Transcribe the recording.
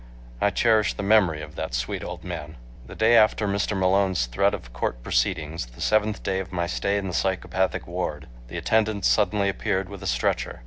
I cherish the memory of that sweet old man. The day after Mr. Malone's threat of court proceedings, the seventh day of my stay in the psychopathic ward, the attendants suddenly appeared with a stretcher.